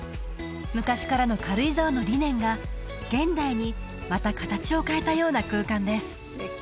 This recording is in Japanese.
昔からの軽井沢の理念が現代にまた形を変えたような空間です